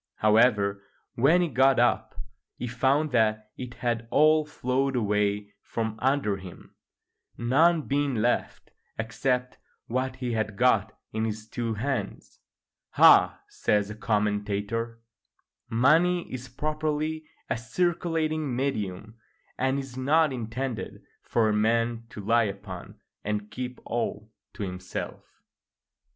However, when he got up he found that it had all flowed away from under him, none being left except what he had got in his two hands. ["Ah!" says the commentator, "money is properly a circulating medium, and is not intended for a man to lie upon and keep all to himself."